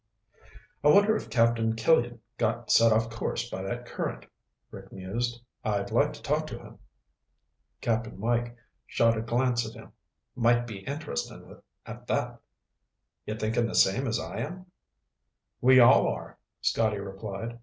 "I wonder if Captain Killian got set off course by that current," Rick mused. "I'd like to talk to him." Cap'n Mike shot a glance at him. "Might be interesting at that. You thinking the same as I am?" "We all are," Scotty replied.